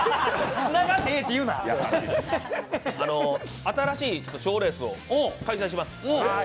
新しい賞レースを開催します。